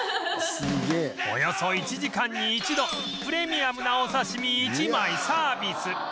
およそ１時間に１度プレミアムなお刺身１枚サービス